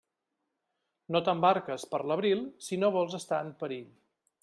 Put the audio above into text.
No t'embarques per l'abril si no vols estar en perill.